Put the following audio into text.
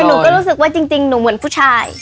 หนูก็รู้สึกว่าจริงหนูเหมือนผู้ชาย